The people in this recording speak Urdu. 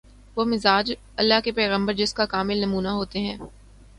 وہ مزاج‘ اللہ کے پیغمبر جس کا کامل نمونہ ہوتے ہیں۔